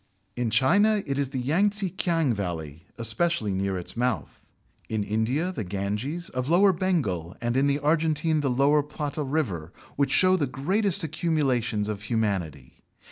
In China it is the Yang tze kiang valley (especially near its mouth); in India, the Ganges, of lower Bengal, and in the Argentine the La Plata River, which show the greatest accumulations of humanity.